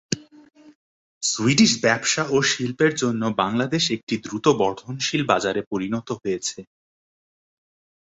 Swedish ব্যবসা ও শিল্পের জন্য বাংলাদেশ একটি দ্রুত বর্ধনশীল বাজারে পরিণত হয়েছে।